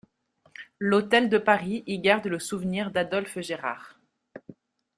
L'Hotel de Paris y garde le souvenir d'Adolphe Gérard.